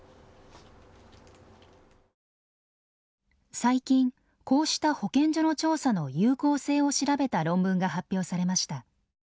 最近こうした保健所の調査の有効性を調べた論文が発表されました。